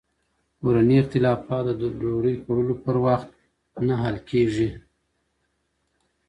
کورني اختلافات د ډوډۍ خوړلو په وخت حل نه کېږي.